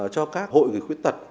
cho các hội người khuyết tật